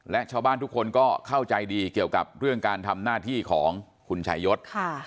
และชาวบ้านทุกคนก็เข้าใจดีเกี่ยวกับเรื่องการทำหน้าที่ของคุณชายศ